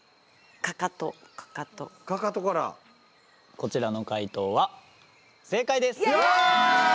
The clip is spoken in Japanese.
こちらの解答は正解です！